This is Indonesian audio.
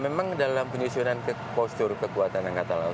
memang dalam penyusunan postur kekuatan angkatan laut